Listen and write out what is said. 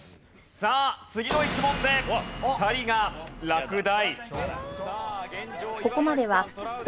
さあ次の１問で２人が落第。